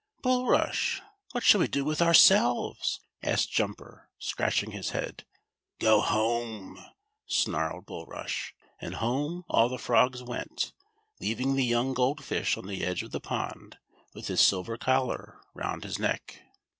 "Bulrush, what shall we do with ourselves?" asked Jumper, scratching his head. "Go home," snarled Bulrush ; and home all the frogs went, leaving the young Gold Fish on the edge of the pond, with his silver collar round his neck.